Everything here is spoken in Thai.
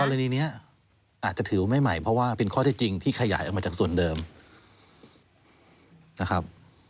กรณีนี้อาจจะถือว่าไม่ใหม่เพราะว่าเป็นข้อเท็จจริงที่ขยายออกมาจากส่วนเดิมนะครับ